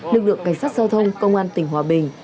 lực lượng cảnh sát giao thông công an tỉnh hòa bình